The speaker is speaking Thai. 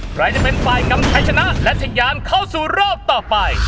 ใครจะเป็นฝ่ายกำชัยชนะและทะยานเข้าสู่รอบต่อไป